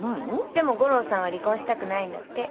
でも悟郎さんは離婚したくないんだって。